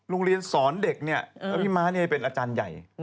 โรงเรียนสอนเด็กเนี่ยแล้วพี่ม้าเป็นอาจารย์ใหญ่